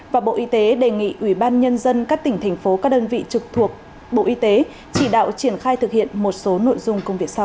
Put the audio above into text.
và bộ y tế đề nghị ủy ban nhân dân các tỉnh thành phố các đơn vị trực thuộc bộ y tế chỉ đạo triển khai thực hiện một số nội dung công việc sau